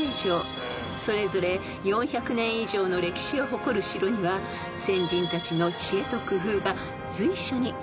［それぞれ４００年以上の歴史を誇る城には先人たちの知恵と工夫が随所に張り巡らされています］